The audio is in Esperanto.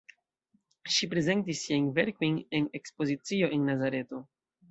Ŝi prezentis siajn verkojn en ekspozicio en Nazareto.